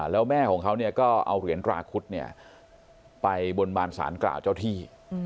แล้วแม่ของเขาก็เอาเหรียญตราคุดไปบนบานสารกล่าวเจ้าที่